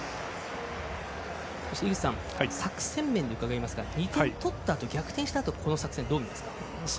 井口さん、作戦面で伺いますが２点取ったあと逆転したあとの作戦どう思いますか。